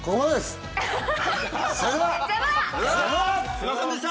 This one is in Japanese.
すみませんでした！